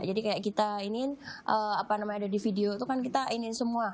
jadi kayak kita iniin apa namanya ada di video itu kan kita iniin semua